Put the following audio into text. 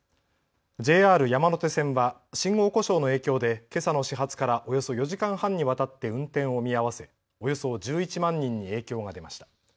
ＪＲ山手線は信号故障の影響でけさの始発からおよそ４時間半にわたって運転を見合わせおよそ１１万人に影響が出ました。